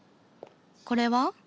これは？